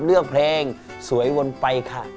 เลือกเพลงสวยวนไปค่ะ